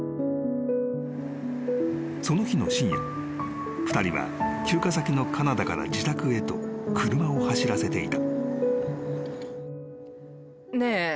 ［その日の深夜２人は休暇先のカナダから自宅へと車を走らせていた］